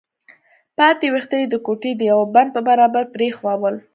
پاتې ويښته يې د ګوتې د يوه بند په برابر پرېښوول.